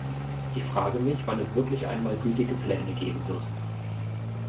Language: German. Ich frage mich, wann es wirklich einmal gültige Pläne geben wird.